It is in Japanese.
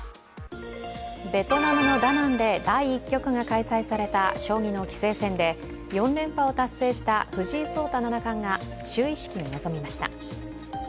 ベトナムのダナンで第１局が開催された将棋の棋聖戦で４連覇を達成した藤井聡太七冠が就位式に臨みました。